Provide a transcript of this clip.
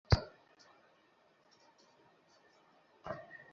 প্রথম নজর দেওয়া দরকার মাঠপর্যায়ের ওসি থেকে শুরু করে কনস্টেবল পর্যন্ত।